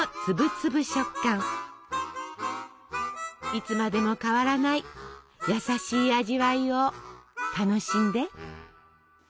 いつまでも変わらない優しい味わいを楽しんで。